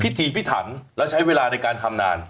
พิธีพิถันและใช้เวลาในการทำนาน